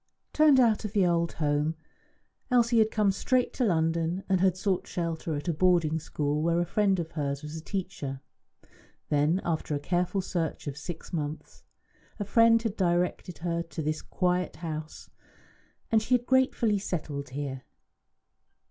Turned out of the old home, Elsie had come straight to London, and had sought shelter at a boarding school where a friend of hers was a teacher. Then, after a careful search of six months, a friend had directed her to this quiet house, and she had gratefully settled here.